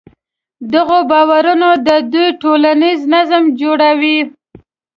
دغو باورونو د دوی ټولنیز نظم جوړاوه.